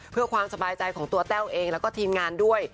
เพื่อความสบายใจของตัวแต้วเองแล้วก็ทีมงานด้วย